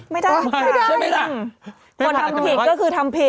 ไม่ได้ไม่ได้ใช่ไหมล่ะคนทำผิดก็คือทำผิด